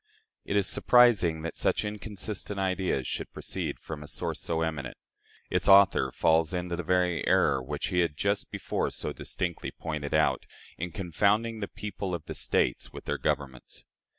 " It is surprising that such inconsistent ideas should proceed from a source so eminent. Its author falls into the very error which he had just before so distinctly pointed out, in confounding the people of the States with their governments.